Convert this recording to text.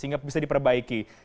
sehingga bisa diperbaiki